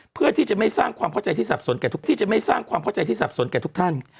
เพื่อที่จะไม่สร้างความเข้าใจที่สับสนกับทุกท่าน